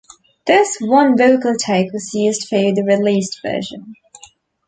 This one vocal take was used for the released version.